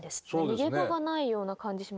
逃げ場がないような感じしますよね。